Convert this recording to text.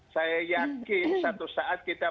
saya yakin satu saat kita